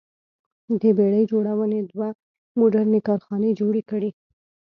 د بېړۍ جوړونې دوه موډرنې کارخانې جوړې کړې.